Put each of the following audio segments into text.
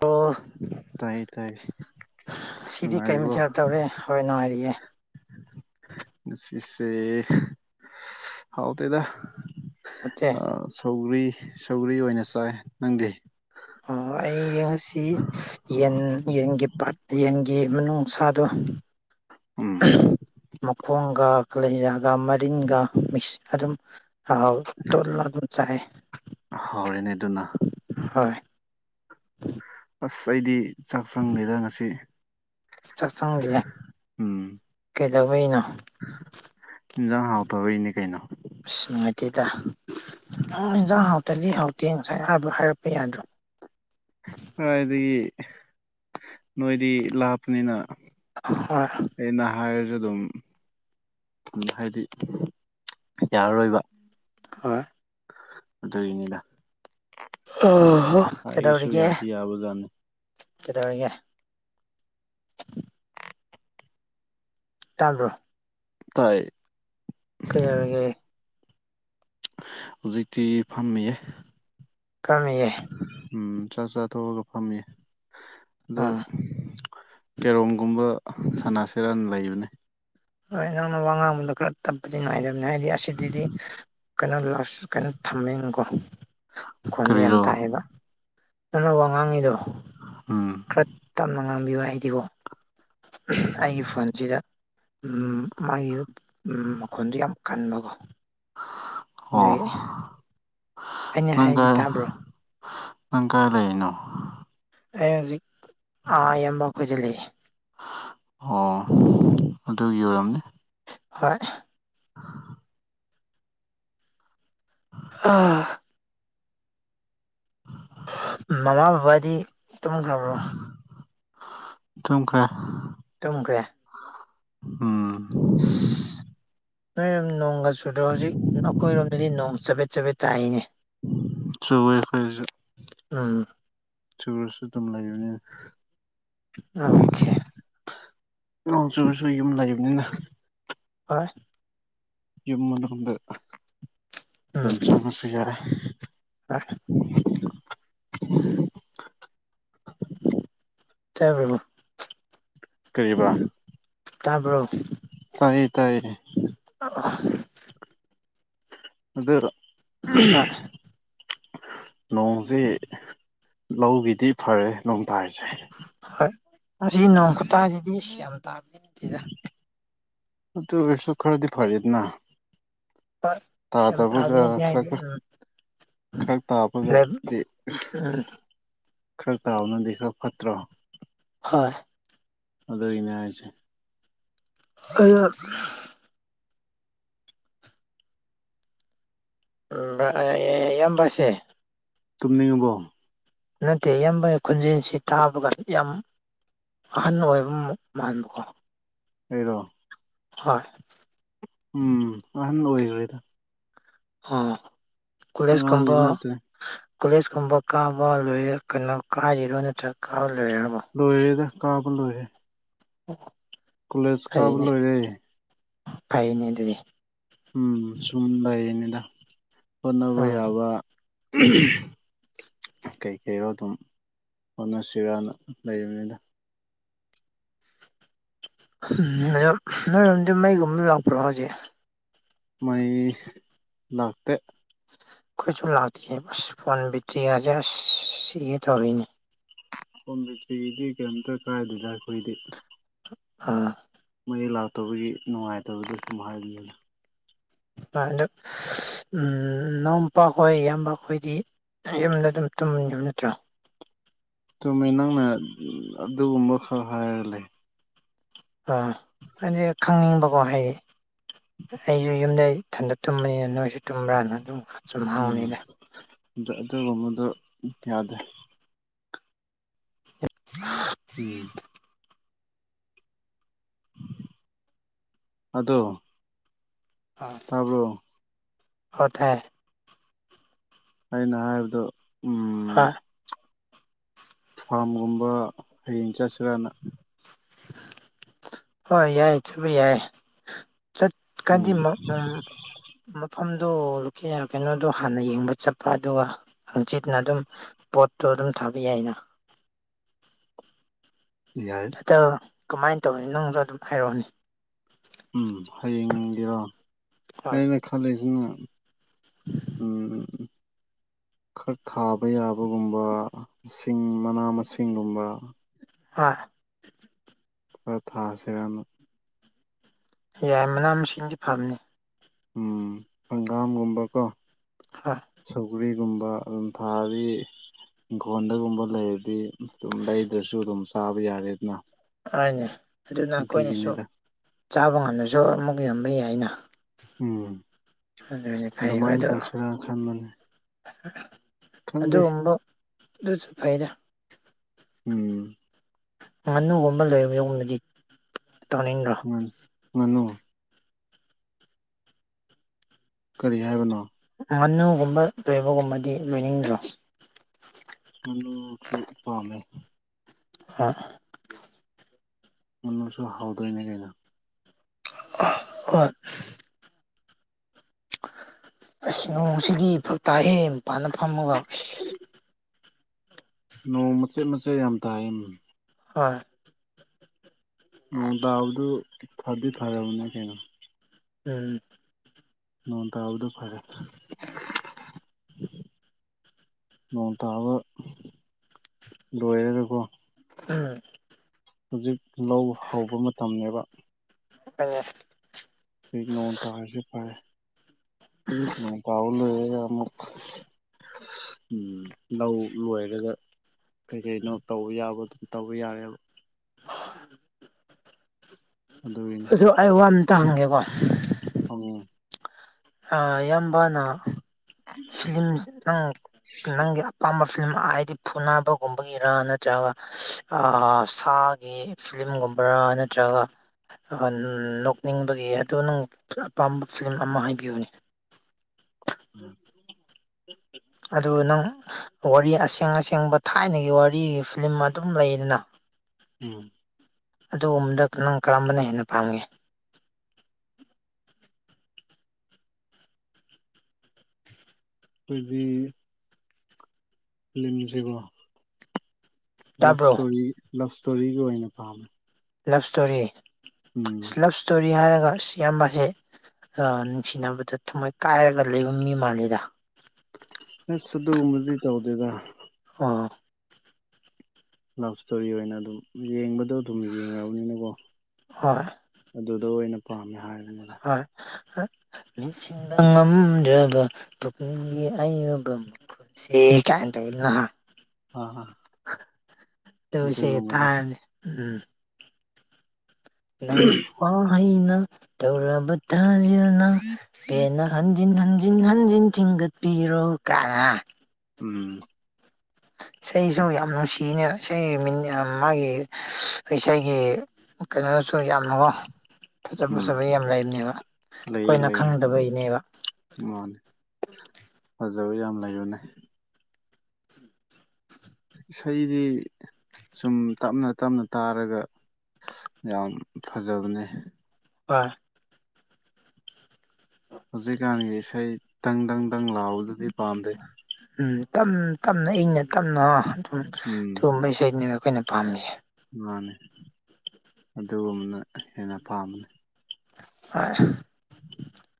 ꯑꯣ ꯇꯥꯏꯌꯦ ꯇꯥꯏꯌꯦ ꯉꯁꯤꯗꯤ ꯀꯩ ꯃꯊꯦꯜ ꯇꯧꯔꯦ ꯍꯣꯏ ꯅꯨꯡꯉꯥꯏꯔꯤꯌꯦ ꯁꯦ ꯍꯥꯎꯇꯦꯗ ꯅꯠꯇꯦ ꯑꯥ ꯁꯧꯒ꯭ꯔꯤ ꯁꯧꯒ꯭ꯔꯤ ꯑꯣꯏꯅ ꯆꯥꯏ ꯅꯪꯗꯤ ꯑꯣ ꯑꯩꯗꯤ ꯉꯁꯤ ꯌꯦꯟ ꯌꯦꯟꯒꯤ ꯄꯥꯠ ꯌꯦꯟꯒꯤ ꯃꯅꯨꯡꯁꯥꯗꯣ ꯎꯝ ꯃꯈꯣꯡ ꯀꯂꯦꯖꯥꯒ ꯃꯔꯤꯟꯒ ꯃꯤꯛꯁ ꯑꯗꯨꯝ ꯑꯧ ꯇꯣꯠꯂ ꯑꯗꯨꯝ ꯆꯥꯏ ꯍꯥꯎꯔꯦꯅꯦ ꯑꯗꯨꯅ ꯍꯣꯏ [inaudible] ꯑꯁ ꯑꯩꯗꯤ ꯆꯥꯛ ꯆꯪꯗꯦꯗ ꯉꯁꯤ ꯆꯥꯛꯁꯪꯒꯤꯅꯦ ꯎꯝ ꯀꯩꯗꯧꯕꯩꯅꯣ ꯏꯟꯖꯥꯡ ꯍꯥꯎꯇꯕꯒꯤꯅꯦ ꯀꯩꯅꯣ ꯅꯠꯇꯦꯗ ꯑꯣ ꯏꯟꯖꯥꯡ ꯍꯥꯎꯇ꯭ꯔꯗꯤ ꯍꯥꯎꯇꯦ ꯉꯁꯥꯏꯅ ꯍꯥꯏꯕ ꯍꯥꯏꯔꯛꯄ ꯌꯥꯗ꯭ꯔꯣ ꯀꯔꯥꯏꯗꯒꯤ ꯅꯣꯏꯗꯤ ꯂꯥꯞꯄꯅꯤꯅ ꯍꯣꯏ ꯑꯩꯅ ꯍꯥꯏꯔꯁꯨ ꯑꯗꯨꯝ ꯍꯥꯏꯗꯤ ꯌꯥꯔꯔꯣꯏꯕ ꯍꯣꯏ ꯑꯗꯨꯒꯤꯅꯤꯗ ꯑꯣ ꯑꯩꯁꯨ ꯀꯩꯗꯧꯔꯤꯒꯦ ꯌꯥꯗꯤ ꯌꯥꯕꯖꯥꯠꯅꯤ ꯀꯩꯗꯧꯔꯤꯒꯦ ꯇꯥꯕ꯭ꯔꯣ ꯇꯥꯏ ꯀꯩꯗꯧꯔꯤꯒꯦ ꯍꯧꯖꯤꯛꯇꯤ ꯐꯝꯃꯤꯌꯦ ꯀꯃꯤꯌꯦ ꯎꯝ ꯆꯥꯛ ꯆꯥ ꯇꯣꯛꯂꯒ ꯐꯝꯃꯤ ꯑꯗꯨ ꯎꯝ ꯀꯦꯔꯣꯝꯒꯨꯝꯕ ꯁꯅꯥꯁꯤꯔꯥꯅ ꯂꯩꯕꯅꯦ ꯍꯣꯏ ꯅꯪꯅ ꯋꯥ ꯉꯥꯡꯕꯗ ꯈꯔ ꯇꯞꯄꯗꯤ ꯅꯨꯡꯉꯥꯏꯇꯕꯅꯤ ꯍꯥꯏꯗꯤ ꯑꯁꯤꯗꯗꯤ ꯀꯩꯅꯣ ꯂꯥꯁ ꯀꯩꯅꯣ ꯊꯝꯃꯦꯅꯀꯣ ꯃꯈꯣꯟꯗꯣ ꯌꯥꯝ ꯀꯔꯤꯔꯣ ꯇꯥꯏꯌꯦꯕ ꯅꯪꯅ ꯋꯥ ꯉꯥꯡꯉꯤꯗꯣ ꯎꯝ ꯈꯔ ꯇꯞꯅ ꯉꯥꯡꯕꯤꯌꯨ ꯍꯥꯏꯗꯤꯀꯣ ꯑꯩꯒꯤ ꯐꯣꯟꯖꯤꯗ ꯎꯝ ꯃꯥꯒꯤ ꯎꯝ ꯃꯈꯣꯟꯗꯨ ꯌꯥꯝ ꯀꯟꯕꯀꯣ ꯑꯣ ꯗꯨꯏ ꯑꯩꯅ ꯅꯪ ꯍꯥꯏꯗꯤ ꯀꯥꯏ ꯇꯕ꯭ꯔꯣ ꯅꯪ ꯀꯥꯏ ꯂꯩꯩꯅꯣ ꯑꯩ ꯍꯧꯖꯤꯛ ꯑꯥ ꯌꯥꯝꯕ ꯈꯣꯏꯗꯂꯩ ꯑꯣ ꯑꯗꯨꯒꯤ ꯑꯣꯏꯔꯝꯅꯤ ꯍꯣꯏ [inaudible] ꯑꯥ ꯃꯃꯥ ꯕꯕꯥꯗꯤ ꯇꯨꯝꯒ꯭ꯔꯕꯣ ꯇꯨꯝꯈ꯭ꯔꯦ ꯇꯨꯝꯈ꯭ꯔꯦ ꯎꯝ ꯑꯁ ꯅꯣꯏꯔꯝ ꯅꯣꯡꯒ ꯆꯨꯗ꯭ꯔꯣ ꯍꯧꯖꯤꯛ ꯑꯈꯣꯏꯔꯣꯝꯗꯗꯤ ꯅꯣꯡ ꯆꯕꯦꯠ ꯆꯕꯦꯠ ꯇꯥꯏꯅꯦ ꯆꯨꯋꯦ ꯑꯈꯣꯏꯖꯨ ꯎꯝ ꯆꯨꯔꯁꯨ ꯑꯗꯨꯝ ꯂꯩꯥꯕꯅꯤꯅ ꯑꯣꯈꯦ ꯅꯣꯡ ꯆꯨꯔꯁꯨ ꯌꯨꯝ ꯂꯩꯕꯅꯤꯅ ꯑꯥꯏ ꯌꯨꯝ ꯃꯅꯨꯡꯗ ꯑꯗꯨꯝ ꯆꯪꯉꯁꯨ ꯌꯥꯔꯦ ꯑꯥꯏ ꯇꯕ꯭ꯔꯣ ꯀꯩꯕ ꯇꯕ꯭ꯔꯣ ꯇꯥꯏꯌꯦ ꯇꯥꯏꯌꯦ ꯑꯥ ꯑꯗꯨꯔꯣ ꯍꯣꯏ ꯅꯣꯡꯖꯤ ꯂꯧꯒꯤꯗꯤ ꯐꯔꯦ ꯅꯣꯡ ꯇꯔꯤꯖꯦ ꯍꯣꯏ ꯑꯁꯤ ꯅꯣꯡꯈꯨꯇꯖꯤꯗꯤ ꯏꯁ ꯌꯥꯝ ꯇꯕꯗꯤ ꯅꯠꯇꯦꯗ ꯑꯗꯨ ꯑꯣꯏꯁꯨ ꯈꯔꯗꯤ ꯐꯔꯦꯗꯅ ꯍꯣꯏ ꯌꯥꯝ ꯇꯥꯕ ꯇꯥꯗꯕꯒ ꯅꯠꯇꯦ ꯍꯥꯏꯗꯤ ꯈꯔꯒ ꯎꯝ ꯈꯔ ꯇꯥꯕꯒꯗꯤ ꯎꯝ ꯈꯔ ꯇꯥꯕꯅꯗꯤ ꯈꯔ ꯐꯠꯇ꯭ꯔꯣ ꯍꯣꯏ ꯑꯗꯨꯏꯅꯦ ꯍꯥꯏꯁꯦ [unintelligible] ꯕ꯭ꯔ ꯏꯌꯥꯝꯕꯁꯦ ꯇꯨꯝꯅꯤꯡꯉꯕꯣ ꯅꯠꯇꯦ ꯏꯌꯥꯝꯕ ꯈꯣꯟꯖꯦꯜꯁꯤ ꯇꯕꯒ ꯌꯥꯝ ꯑꯍꯟ ꯑꯣꯏꯕ ꯃꯥꯟꯕꯀꯣ ꯑꯩꯔꯣ ꯍꯣꯏ ꯎꯝ [unintelligible] ꯍꯥ ꯀꯣꯂꯦꯁ ꯑꯉꯥꯡꯗꯤ ꯀꯨꯝꯕ ꯅꯠꯇ꯭ꯔꯦ ꯀꯣꯂꯦꯖ ꯀꯨꯝꯕ ꯀꯥꯕ ꯂꯣꯏꯔꯦ ꯀꯩꯅꯣ ꯀꯥꯔꯤꯔꯣ ꯅꯠꯇ꯭ꯔ ꯀꯥ ꯂꯣꯏꯔꯦꯗ ꯀꯥꯕ ꯂꯣꯏꯌꯦ ꯑꯣ ꯀꯣꯂꯦꯖ ꯀꯥꯕ ꯂꯣꯏꯔꯦ ꯐꯩꯅꯦ ꯑꯗꯨꯗꯤ ꯎꯝ ꯁꯨꯝ ꯂꯩꯔꯤꯅꯤꯗ ꯍꯣꯠꯅꯕ ꯑꯣ ꯌꯥꯕ ꯀꯩꯀꯩꯔꯣ ꯑꯗꯨꯝ ꯍꯣꯠꯅꯁꯤꯔꯅ ꯂꯩꯕꯅꯤꯗ ꯎꯝ ꯅꯦꯝ ꯅꯣꯏꯔꯣꯝꯗ ꯃꯩꯒꯨꯝꯕ ꯂꯥꯛꯄ꯭ꯔꯣ ꯍꯧꯖꯤꯛ ꯃꯩ ꯂꯥꯛꯇꯦ ꯑꯩꯈꯣꯏꯁꯨꯨ ꯂꯥꯛꯇꯤꯌꯦ ꯑꯁ ꯐꯣꯟ ꯕꯤꯔ꯭ꯇꯤꯀꯥꯁꯦ ꯑꯁ ꯁꯤꯒꯦ ꯇꯧꯔꯦꯅꯦ ꯐꯣꯟ ꯕꯦꯇ꯭ꯔꯤꯒꯤꯗꯤ ꯀꯩꯝꯇ ꯀꯥꯏꯗꯦꯗ ꯈꯣꯏꯗꯤ ꯑ ꯃꯩ ꯂꯥꯛꯇꯕꯒꯤ ꯅꯨꯡꯉꯥꯏꯇꯕꯒꯤ ꯋꯥꯅꯤꯗ ꯑ ꯍꯟꯗꯛ ꯎꯁ ꯏꯅꯥꯎꯄꯥꯈꯣꯏ ꯏꯌꯥꯝꯕꯈꯣꯏꯗꯤ ꯌꯨꯝꯗ ꯑꯗꯨꯝ ꯇꯨꯝꯃꯤ ꯅꯠꯇ꯭ꯔ ꯇꯨꯝꯃꯦ ꯅꯪꯅ ꯑꯗꯨꯒꯨꯝꯕ ꯈꯛ ꯍꯥꯏꯔ ꯂꯩ ꯑ ꯍꯥꯏꯗꯤ ꯈꯪꯅꯤꯡꯕꯀꯣ ꯍꯩ ꯑꯩꯁꯨ ꯌꯨꯝꯗ ꯏꯊꯟꯗ ꯇꯨꯝꯕꯅꯤꯅ ꯅꯣꯏꯁꯨ ꯇꯨꯝꯕ꯭ꯔꯥꯅ ꯑꯗꯨꯝ ꯁꯨꯝ ꯍꯪꯅꯤꯗ ꯑꯗ ꯑꯗꯨꯒꯨꯝꯕꯗꯨ ꯌꯥꯗ꯭ꯔꯦ ꯄꯤꯌꯨ ꯑꯗꯣ ꯇꯥꯕ꯭ꯔꯣ ꯍꯣꯏ ꯇꯥꯏꯌꯦ ꯑꯩꯅ ꯍꯥꯏꯕꯗꯣ ꯎꯝ ꯍꯥ ꯐꯥꯝꯒꯨꯝꯕ ꯍꯌꯦꯡ ꯆꯠꯁꯤꯔꯅ ꯍꯣꯏ ꯌꯥꯏ ꯆꯠꯄ ꯌꯥꯏ ꯆꯠꯀꯥꯟꯗꯤ ꯎꯝ ꯎꯝ ꯃꯐꯝꯗꯣ ꯀꯩꯅꯣꯗꯣ ꯍꯥꯟꯅ ꯌꯦꯡꯕ ꯆꯠꯄ ꯑꯗꯨꯒ ꯍꯪꯆꯤꯠꯅ ꯑꯗꯨꯝ ꯄꯣꯠꯇꯣ ꯑꯗꯨꯝ ꯊꯥꯕ ꯌꯥꯏꯅ ꯌꯥꯏ ꯀꯃꯥꯏ ꯇꯧꯅꯤ ꯅꯪꯁꯨ ꯑꯗꯨꯝ ꯍꯥꯏꯔꯛꯑꯣꯅꯦ ꯎꯝ ꯍꯌꯦꯡꯒꯤꯔꯥ ꯍꯣꯏ ꯑꯩꯅ ꯈꯜꯂꯤꯁꯤꯅ ꯎꯝ ꯈꯔ ꯊꯥꯕ ꯌꯥꯕꯒꯨꯝꯕ ꯁꯤꯡ ꯃꯅꯥ ꯃꯁꯤꯡꯒꯨꯝꯕ ꯍꯥ ꯈꯔ ꯊꯥꯁꯤꯔꯥꯕ ꯌꯥꯏ ꯃꯅꯥ ꯃꯁꯤꯡꯗꯤ ꯐꯕꯅꯤ ꯎꯝ ꯍꯪꯒꯥꯝꯒꯨꯝꯕꯀꯣ ꯍꯥ ꯎꯔꯤꯒꯨꯝꯕ ꯑꯗꯨꯝ ꯊꯥꯔꯤ ꯏꯪꯈꯣꯜꯗꯒꯨꯝꯕ ꯂꯩꯔꯗꯤ ꯑꯗꯨꯝ ꯂꯩꯗ꯭ꯔꯁꯨ ꯑꯗꯨꯝ ꯆꯥꯕ ꯌꯥꯔꯦꯗꯅ ꯍꯣꯏꯅꯦ ꯑꯗꯨꯅ ꯑꯈꯣꯏꯅꯁꯨ ꯑꯗꯨꯒꯤꯅꯤꯗ ꯆꯥꯕ ꯉꯝꯗ꯭ꯔꯁꯨ ꯑꯃꯨꯛ ꯌꯣꯟꯕ ꯌꯥꯏꯅ ꯎꯝ ꯑꯗꯨꯅꯤ ꯐꯩꯕ ꯑꯗꯨꯃꯥꯏꯟ ꯑꯗꯣ ꯇꯧꯁꯤꯔ ꯈꯟꯕꯅꯤ ꯑꯗꯨꯒꯨꯝꯕ ꯑꯗꯨꯁꯨ ꯐꯩꯗ ꯎꯝ ꯉꯥꯅꯨꯒꯨꯝꯕ ꯂꯣꯏꯌꯨꯝꯕꯗꯤ ꯇꯧꯅꯤꯡꯗ꯭ꯔꯣ ꯉꯅꯨ ꯀꯔꯤ ꯍꯥꯏꯕꯅꯣ ꯉꯅꯨꯒꯨꯝꯕ ꯂꯣꯏꯕꯒꯨꯝꯕꯗꯤ ꯂꯣꯏꯅꯤꯡꯗ꯭ꯔꯣ ꯉꯅꯨꯁꯨ ꯄꯥꯝꯃꯦ ꯍꯥ ꯉꯅꯨꯁꯨ ꯍꯥꯎꯗꯣꯏꯅꯦ ꯀꯩꯅꯣ [unintelligible] ꯑꯁ ꯅꯣꯡꯁꯤꯗꯤ ꯐ꯭ꯔꯛ ꯇꯥꯏꯍꯦ ꯃꯄꯥꯟꯅ ꯐꯝꯃꯒ ꯅꯣꯡ ꯃꯆꯦꯠ ꯃꯆꯦꯠ ꯌꯥꯝ ꯇꯥꯏꯌꯦꯃꯤ ꯍꯣꯏ ꯅꯣꯡ ꯇꯕꯗꯨ ꯐꯗꯤ ꯐꯔꯕꯅꯦ ꯀꯩꯅꯣ ꯎꯝ ꯅꯣꯡ ꯇꯕꯗꯨ ꯐꯔꯦ ꯅꯣꯡ ꯇꯕ ꯂꯣꯏꯔꯒꯀꯣ ꯎꯝ ꯍꯧꯖꯤꯛ ꯂꯧ ꯍꯧꯕ ꯃꯇꯝꯅꯦꯕ ꯑꯦ ꯑꯗꯩ ꯅꯣꯡ ꯇꯔꯤꯖꯦ ꯐꯔꯦ ꯎꯝ ꯅꯣꯡ ꯇꯕ ꯂꯣꯏꯔꯒ ꯑꯃꯨꯛ ꯎꯝ ꯂꯧ ꯂꯣꯏꯔꯒ ꯀꯩ ꯀꯩꯅꯣ ꯇꯧꯕ ꯌꯥꯕ ꯑꯗꯨꯝ ꯇꯧꯕ ꯌꯥꯔꯦꯕ ꯑꯗꯨꯒꯤꯅꯦ ꯑꯗꯣ ꯑꯩ ꯋꯥ ꯑꯝꯇ ꯍꯪꯒꯦꯀꯣ ꯎꯝ ꯑꯥ ꯏꯌꯥꯝꯕꯅ ꯐꯤꯂꯝꯁ ꯅꯪ ꯅꯪꯒꯤ ꯑꯄꯥꯝꯕ ꯐꯤꯂꯝ ꯍꯥꯏꯗꯤ ꯐꯨꯅꯕꯒꯨꯝꯕꯒꯤꯔ ꯅꯠꯇ꯭ꯔꯒ ꯑꯥ ꯁꯥꯒꯤ ꯐꯤꯂꯝꯒꯨꯝꯕ ꯕ꯭ꯔ ꯅꯠꯇ꯭ꯔꯒ ꯑꯥ ꯅꯣꯛꯅꯤꯡꯕꯒꯤ ꯑꯗꯨ ꯅꯪ ꯑꯄꯥꯝꯕ ꯐꯤꯂꯝ ꯑꯃ ꯍꯥꯏꯕꯤꯌꯨꯅꯦ [inaudible] ꯑꯗꯨ ꯅꯪ ꯋꯥꯔꯤ ꯑꯁꯦꯡ ꯑꯁꯦꯡꯕ ꯊꯥꯏꯅꯒꯤ ꯋꯥꯔꯤꯒꯤ ꯐꯤꯂꯝ ꯑꯗꯨꯝ ꯂꯩꯗꯅ ꯎꯝ ꯑꯗꯨꯒꯨꯝꯕꯗ ꯅꯪ ꯀꯔꯝꯕꯅ ꯍꯦꯟꯅ ꯄꯥꯝꯒꯦ ꯈꯣꯏꯗꯤ ꯐꯤꯂꯝꯖꯤꯒꯣ ꯂꯞ ꯇꯥꯕ꯭ꯔꯣ ꯏꯁꯇꯣꯔꯤ ꯂꯞ ꯏꯁꯇꯣꯔꯤꯒꯤ ꯑꯣꯏꯅ ꯄꯥꯝꯃꯦ ꯂꯞ ꯏꯁꯇꯣꯔꯤ ꯎꯝ ꯗꯨꯏꯍꯥꯏꯔꯒ ꯑꯁ ꯏꯌꯥꯝꯕꯖꯦ ꯅꯨꯡꯁꯤꯅꯕꯗ ꯊꯃꯣꯏ ꯀꯥꯏꯔꯒ ꯂꯩꯕ ꯃꯤ ꯃꯥꯂꯦꯗ ꯑꯁ ꯑꯗꯨꯒꯨꯝꯕꯗꯤ ꯇꯧꯗꯦꯗ ꯑꯥ ꯂꯞ ꯁ꯭ꯇꯣꯔꯤ ꯑꯣꯏꯅ ꯑꯗꯨꯝ ꯌꯦꯡꯕꯗꯣ ꯑꯗꯨꯝ ꯌꯦꯡꯔꯕꯅꯤꯅꯀꯣ ꯍꯣꯏ ꯑꯗꯨꯗꯣ ꯑꯣꯏꯅ ꯄꯥꯝꯃꯦ ꯍꯥꯏ ꯍꯥꯏ ꯃꯤꯟꯁꯤꯟꯕ ꯉꯝꯗ꯭ꯔꯕ ꯄꯨꯛꯅꯤꯡꯒꯤ ꯑꯌꯨꯕ ꯃꯈꯨꯜꯁꯦ ꯁꯤ ꯀꯅ ꯇꯧꯔꯤꯅꯣ ꯍꯥ ꯑꯥ ꯑꯥ ꯇꯨꯂꯨꯁꯦ ꯑꯗꯨꯒꯨꯝꯕꯗ ꯊꯔꯕꯅꯦ ꯎꯝ ꯅꯪꯒꯤ ꯋꯥꯍꯩꯅ ꯊꯧꯔꯕ ꯇꯖꯤꯜꯅ ꯄꯦꯟꯅ ꯍꯟꯖꯤꯟ ꯍꯟꯖꯤꯟ ꯍꯟꯖꯤꯟ ꯊꯤꯟꯗꯠꯄꯤꯔꯣ ꯄꯤꯔꯣ ꯀꯥꯏꯅ ꯎꯝ ꯏꯁꯩꯁꯨ ꯌꯥꯝ ꯅꯨꯡꯁꯤꯅ ꯏꯁꯩ ꯃꯥꯒꯤ ꯏꯁꯩꯒꯤ ꯀꯩꯅꯣ ꯁꯨꯔ ꯌꯥꯝꯃꯨꯑꯣ ꯐꯖ ꯎꯝ ꯐꯖꯕ ꯌꯥꯝ ꯂꯩꯕꯅꯦꯕ ꯂꯩꯌꯦ ꯑꯩꯈꯣꯏꯅ ꯂꯩꯌꯦ ꯈꯪꯗꯕꯒꯤꯅꯦꯕ ꯃꯥꯅꯦ ꯐꯖꯕ ꯌꯥꯝ ꯂꯩꯕꯅꯦ ꯏꯁꯩꯗꯤ ꯁꯨꯝ ꯇꯞꯅ ꯇꯞꯅ ꯇꯥꯔꯒ ꯌꯥꯝ ꯐꯖꯕꯅꯦ ꯑꯣꯏ ꯍꯧꯖꯤꯛꯀꯥꯟꯒꯤ ꯏꯁꯩ ꯇꯪ ꯗꯪ ꯗꯪ ꯂꯥꯎꯕꯗꯨꯗꯤ ꯄꯥꯝꯗꯦ ꯎꯝ ꯇꯞꯅ ꯏꯪꯅ ꯇꯞꯅ ꯑꯗꯨꯝ ꯎꯝ ꯑꯗꯨꯒꯨꯝꯕ ꯏꯁꯩꯅꯤꯅ ꯑꯩꯈꯣꯏꯅ ꯄꯥꯝꯃꯤꯁꯦ ꯃꯥꯅꯤ ꯑꯗꯨꯒꯨꯝꯕꯅ ꯍꯦꯟꯅ ꯄꯥꯝꯕꯅꯤ ꯑꯥ ꯍꯦ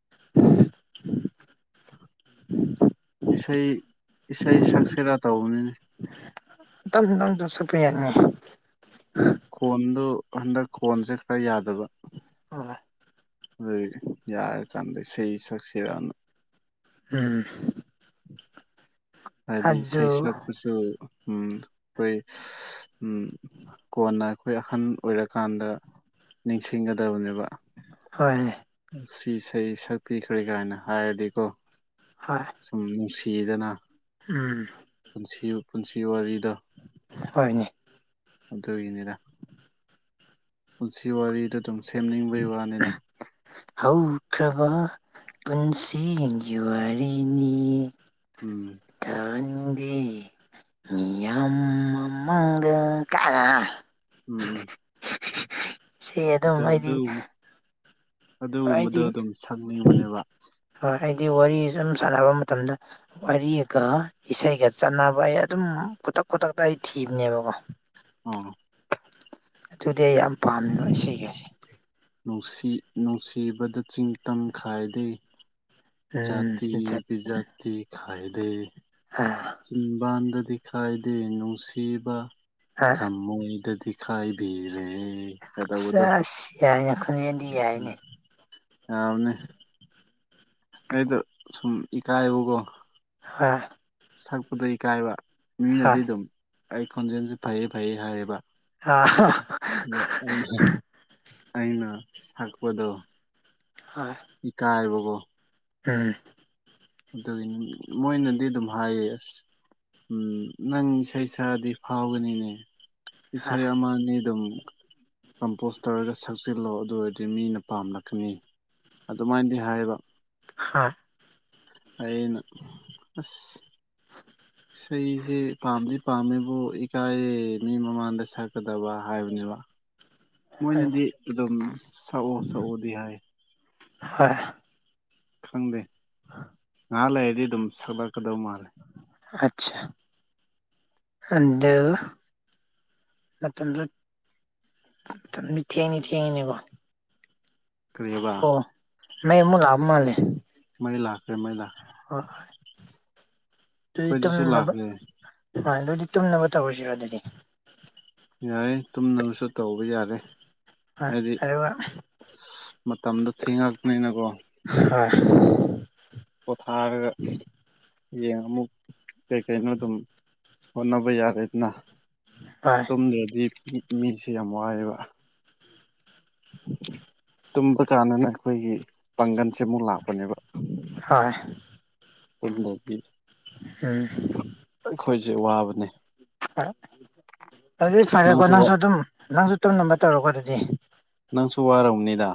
[inaudible] ꯏꯁꯩ ꯏꯁꯩ ꯁꯛꯁꯤꯔꯥ ꯇꯧꯕꯅꯤꯅꯦ ꯁꯛꯄ ꯌꯥꯏꯅꯦ ꯈꯣꯟꯗꯨ ꯍꯟꯗꯛ ꯈꯣꯟꯁꯦ ꯈꯔ ꯌꯥꯗꯕ ꯑꯣ ꯑꯣ ꯑꯗꯨꯏ ꯌꯥꯔꯀꯥꯟꯗ ꯏꯁꯩ ꯁꯛꯁꯤꯔꯅ ꯎꯝ ꯍꯥꯏꯗꯤ ꯑꯗꯨ ꯏꯁꯩꯁꯤꯅ ꯑꯩꯈꯣꯏꯁꯨ ꯎꯝ ꯑꯩꯈꯣꯏ ꯎꯝ ꯀꯣꯟꯅ ꯑꯩꯈꯣꯏ ꯑꯍꯟ ꯑꯣꯏꯔꯀꯥꯟꯗ ꯅꯤꯡꯁꯤꯡꯒꯗꯕꯅꯦꯕ ꯍꯣꯏꯅꯦ ꯁꯤ ꯏꯁꯩ ꯁꯛꯄꯤꯈ꯭ꯔꯦ ꯀꯥꯏꯅ ꯍꯥꯏꯔꯗꯤꯀꯣ ꯍꯣꯏ ꯁꯨꯝ ꯅꯨꯡꯁꯤꯌꯦꯗꯅ ꯎꯝ ꯄꯨꯟꯁꯤ ꯄꯨꯟꯁꯤ ꯋꯥꯔꯤꯗ ꯍꯣꯏꯅꯦ ꯑꯗꯨꯒꯤꯅꯤꯗ [inaudible] ꯄꯨꯟꯁꯤ ꯋꯥꯔꯤꯗ ꯑꯗꯨꯝ ꯁꯦꯝꯅꯤꯡꯕꯩ ꯋꯥꯅꯤꯗ ꯍꯧꯈ꯭ꯔꯕ ꯄꯨꯟꯁꯤꯒꯤ ꯋꯥꯔꯤꯅꯤ ꯎꯝ ꯊꯟ ꯃꯤ ꯃꯤꯌꯥꯝ ꯃꯃꯥꯡꯗ ꯀꯥꯏꯅ ꯎꯝ ꯎꯝ ꯁꯤ ꯑꯗꯨꯝ ꯑꯗꯨ ꯑꯩꯗꯤ ꯑꯗꯨ ꯑꯗꯨꯒꯨꯝꯕꯗꯣ ꯑꯩꯗꯤ ꯑꯗꯨꯝ ꯊꯛꯅꯤꯡꯕꯅꯦꯕ ꯍꯣꯏ ꯑꯩꯗꯤ ꯋꯥꯔꯤ ꯁꯨꯝ ꯁꯥꯟꯅꯕ ꯃꯇꯝꯗ ꯋꯥꯔꯤꯒ ꯏꯁꯩꯒ ꯆꯥꯟꯅꯕ ꯑꯩ ꯑꯗꯨꯝ ꯎꯝ ꯈꯨꯗꯛ- ꯈꯨꯗꯛꯇ ꯑꯩ ꯊꯤꯕꯅꯦꯕꯀꯣ INAUDIBLE ꯑꯗꯨꯗꯤ ꯑꯩ ꯌꯥꯝ ꯄꯥꯝꯕ ꯏꯁꯩꯒꯁꯦ ꯅꯨꯡꯁꯤ- ꯅꯨꯡꯁꯤꯕꯗ ꯆꯤꯡ- ꯇꯝ ꯈꯥꯏꯗꯦ ꯎꯝ ꯖꯥꯇꯤ- ꯖꯠ ꯕꯤꯖꯥꯇꯤ ꯈꯥꯏ ꯗꯦ ꯑꯥ ꯆꯤꯟꯕꯥꯟꯗꯗꯤ ꯈꯥꯏꯗꯦ ꯅꯨꯡꯁꯤꯕ ꯑꯥ ꯊꯝꯃꯣꯏꯗꯗꯤ ꯈꯥꯏꯕꯤ UNINTELLIGIBLE ꯌꯥꯕꯅꯦ ꯑꯩꯗꯣ ꯁꯨꯝ ꯏꯀꯥꯏꯕ ꯀꯣ INAUDIBLE ꯁꯛꯄꯗꯨ ꯏꯀꯥꯏꯕ ꯃꯤꯅꯗꯤ ꯍꯣꯏ ꯑꯗꯨꯝ ꯑꯩ ꯈꯣꯟꯖꯦꯜꯖꯤ ꯐꯩꯌꯦ ꯐꯩꯌꯦ ꯍꯥꯏꯌꯦꯕ ꯑꯗ ꯑꯩꯅ INAUDIBLE ꯑꯩꯅ ꯁꯛꯄꯗꯣ ꯏꯀꯥꯏꯕ ꯀꯣ INAUDIBLE ꯑꯗꯨꯒꯤ ꯃꯣꯏꯅꯗꯤ ꯑꯗꯨꯝ ꯍꯥꯏꯌꯦ ꯎꯝ ꯅꯪ ꯏꯁꯩ ꯁꯛꯑꯗꯤ ꯐꯥꯎꯒꯅꯤꯅꯦ ꯍꯣꯏ ꯏꯁꯩ ꯑꯃꯅꯤꯅꯤ ꯑꯗꯨꯝ ꯀꯝꯄꯣꯖ ꯇꯧꯔꯒ ꯁꯛꯆꯤꯜꯂꯣ ꯑꯗꯨ ꯑꯣꯏꯔꯗꯤ ꯃꯤꯅ ꯄꯥꯝꯂꯛꯀꯅꯤ ꯑꯗꯨꯃꯥꯏꯅꯗꯤ ꯍꯥꯏꯑꯦꯕ INAUDIBLE ꯑꯩꯅ ꯑꯥꯁ ꯏꯁꯩꯖꯤ ꯄꯥꯝꯗꯤ ꯄꯥꯝꯃꯦꯕꯨ ꯏꯀꯥꯏꯌꯦ ꯃꯤ ꯃꯃꯥꯡꯗ ꯁꯛꯀꯗꯕ ꯍꯥꯏꯕꯅꯦꯕ ꯍꯣꯏ ꯃꯣꯏꯅꯗꯤ ꯑꯗꯨꯝ ꯁꯛꯑꯣ-ꯁꯛꯑꯣꯗꯤ ꯍꯥꯏ ꯍꯣꯏ ꯈꯪꯗꯦ INAUDIBLE ꯑꯥ ꯂꯩꯔꯗꯤ ꯑꯗꯨꯝ ꯁꯛꯂꯛꯀꯗꯧ ꯃꯥꯜꯂꯦ ꯑꯥꯆꯁꯥ ꯑꯗꯨ ꯃꯇꯝꯗꯨ-ꯃꯇꯝꯗꯤ ꯊꯦꯡꯗꯤ- ꯊꯦꯡꯉꯦꯅꯦꯕ ꯀꯣ ꯀ꯭ꯔꯤꯕꯥ ꯃꯩꯃꯨꯛ ꯂꯥꯛꯑ ꯃꯥꯜꯂꯦ UNINTELLIGIBLE ꯑꯩꯈꯣꯏꯗꯁꯨ INAUDIBLE ꯂꯥꯛꯂꯦ ꯍꯣꯏ ꯑꯗꯨꯗꯤ ꯇꯨꯝꯅꯕ ꯇꯧꯔꯖꯤꯔꯣ ꯑꯗꯨꯗꯤ ꯌꯥꯏꯌꯦ ꯇꯨꯝꯅꯕꯁꯨ ꯇꯧꯕ ꯌꯥꯔꯦ ꯍꯥꯏꯗꯤ UNINTELLIGIBLE ꯃꯇꯝꯗꯣ ꯊꯦꯡꯉꯛꯄꯅꯤꯅꯀꯣ INAUDIBLE ꯄꯣꯊꯥꯔꯒ ꯍꯌꯦꯡ ꯑꯃꯨꯛ ꯀꯩ- ꯀꯩꯅꯣ ꯑꯗꯨꯝ ꯍꯣꯠꯅꯕ ꯌꯥꯔꯦꯗꯅ ꯍꯣꯏ ꯇꯨꯝꯗ꯭ꯔꯥꯗꯤ ꯃꯤꯠ ꯃꯤꯠꯁꯦ ꯌꯥꯝ ꯋꯥꯏꯑꯦꯕ ꯇꯨꯝꯕ ꯀꯥꯟꯗꯅ ꯑꯩꯈꯣꯏꯒꯤ ꯄꯥꯡꯒꯜꯁꯦ ꯑꯃꯨꯛ ꯂꯥꯛꯄꯅꯦꯕ ꯍꯣꯏ [unintelligible] ꯎꯝ ꯑꯈꯣꯏꯖꯦ ꯋꯥꯕꯅꯦ ꯎꯝ ꯑꯗꯨꯗꯤ ꯐꯔꯦꯀꯣ ꯅꯪꯁꯨ ꯋꯥ ꯅꯪꯖꯨ ꯑꯗꯨꯝ ꯅꯪꯖꯨ ꯇꯨꯝꯅꯕ ꯇꯧꯔꯣꯀꯣ ꯑꯗꯨꯗꯤ ꯅꯪꯁꯨ ꯋꯥꯔꯝꯅꯤꯗ